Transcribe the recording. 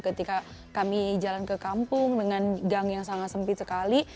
ketika kami jalan ke kampung dengan gang yang sangat sempit sekali